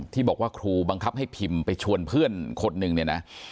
ที่บอกว่าครูบังคับให้พิมพ์ไปชวนเพื่อนคนหนึ่งเนี่ยนะ